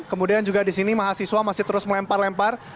kemudian juga di sini mahasiswa masih terus melempar lempar